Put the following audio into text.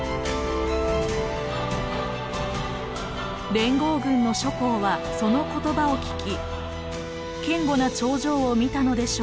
連合軍の諸侯はその言葉を聞き堅固な長城を見たのでしょうか。